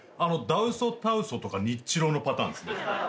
ダウソタウソとかニッチローのパターンですね。